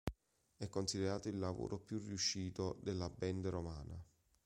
È considerato il lavoro più riuscito della band romana.